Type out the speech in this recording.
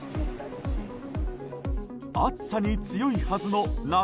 暑さに強いはずの夏